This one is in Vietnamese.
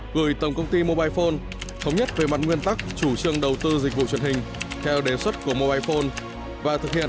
gửi tổng công ty mobile phone thống nhất về mặt nguyên tắc chủ trương đầu tư dịch vụ truyền hình theo đề xuất của mobile phone